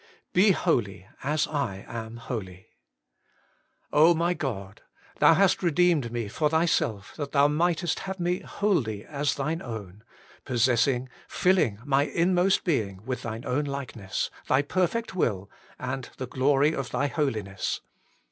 BE HOLY, AS I AM HOLY. my God ! Thou hast redeemed me for Thyself, that Thou mightest have me wholly as Thine own, possessing, filling my inmost being with Thy own likeness, Thy perfect will, and the glory of Thy Holiness.